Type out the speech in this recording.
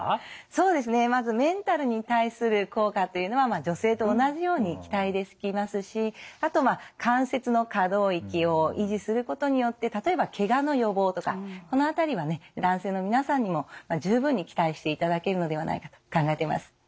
そうですねまずメンタルに対する効果というのは女性と同じように期待できますしあとまあ関節の可動域を維持することによって例えばケガの予防とかこの辺りはね男性の皆さんにも十分に期待していただけるのではないかと考えています。